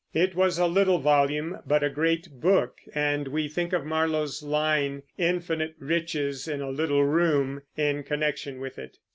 It was a little volume, but a great book; and we think of Marlowe's line, "Infinite riches in a little room," in connection with it.